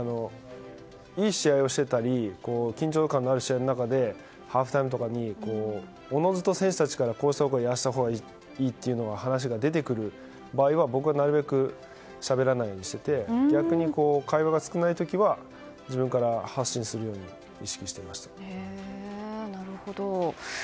いい試合をしていたり緊張感のある試合の中でハーフタイムとかに自ずと選手たちからこうしたほうがいいああしたほうがいいっていう話が出てくる場合は僕はなるべくしゃべらないようにしていて逆に、会話が少ない時は自分から発信するように意識していましたけど。